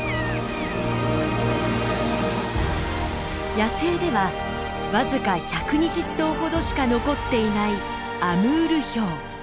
野生では僅か１２０頭ほどしか残っていないアムールヒョウ。